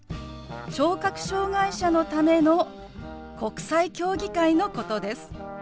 ・聴覚障害者のための国際競技会のことです。